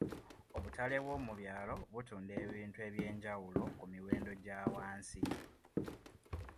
Obutale bw'omu byalo butunda ebintu eby'enjawulo ku miwendo egya wansi.